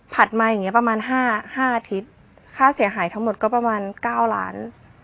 ผัดมาอย่างเงี้ยประมาณห้าห้าอาทิตย์ค่าเสียหายทั้งหมดก็ประมาณเก้าหลาน